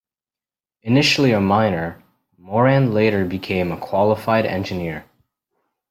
Initially a miner, Moran later became a qualified engineer.